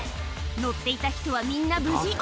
乗っていた人はみんな無事。